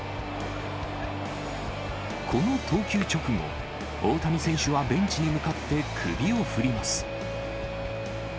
この投球直後、大谷選手はベンチに向かって首を振ります。